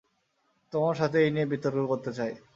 তোমার সাথে এই নিয়ে বিতর্ক করতে চাই।